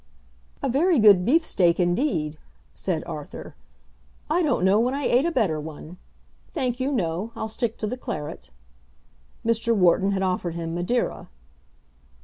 "A very good beefsteak indeed," said Arthur. "I don't know when I ate a better one. Thank you, no; I'll stick to the claret." Mr. Wharton had offered him Madeira.